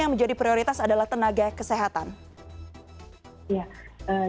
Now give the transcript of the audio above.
yang menjadi prioritas adalah tenaga kesehatan